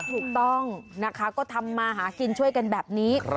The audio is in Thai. ถูกต้องนะคะก็ทำมาหากินช่วยกันแบบนี้